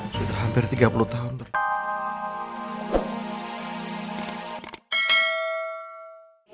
sudah hampir tiga puluh tahun berdiri